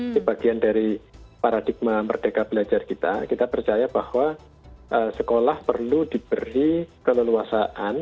di bagian dari paradigma merdeka belajar kita kita percaya bahwa sekolah perlu diberi keleluasaan